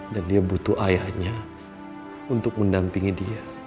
dan dia butuh ayahnya untuk mendampingi dia